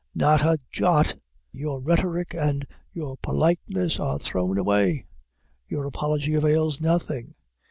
Not a jot; your rhetoric and your politeness are thrown away; your apology avails nothing.